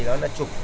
nó là trục